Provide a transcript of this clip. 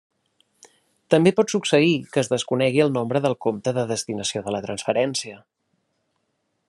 També pot succeir que es desconegui el nombre del compte de destinació de la transferència.